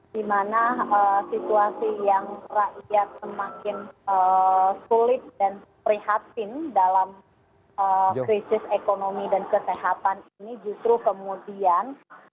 di mana situasi yang rakyat semakin sulit dan prihatin dalam krisis ekonomi dan kesehatan ini justru kemudian